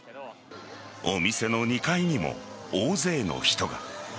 お店の２階にも大勢の人が。